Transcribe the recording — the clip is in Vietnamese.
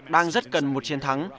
đang rất cần một chiến thắng